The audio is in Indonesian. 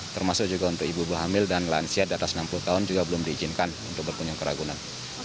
termasuk juga untuk ibu ibu hamil dan lansia di atas enam puluh tahun juga belum diizinkan untuk berkunjung ke ragunan